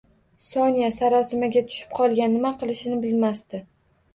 Sonya sarosimaga tushib qolgan, nima qilishini bilmasdi